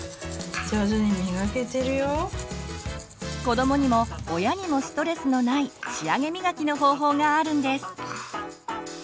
子どもにも親にもストレスのない仕上げみがきの方法があるんです。